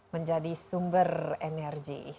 menjadi sumber energi